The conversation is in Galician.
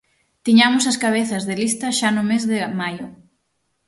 Tiñamos os cabezas de lista xa no mes de maio.